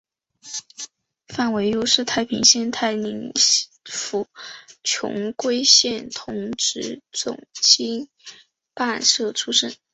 范惟悠是太平省太宁府琼瑰县同直总芹泮社出生。